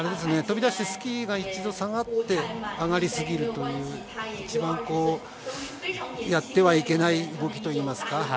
飛び出してスキーが一度下がって上がりすぎるという一番やってはいけない動きといいますか。